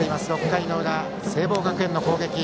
６回の裏、聖望学園の攻撃。